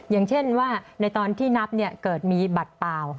อย่างเช่นว่าในตอนที่นับเกิดมีบัตรเปล่า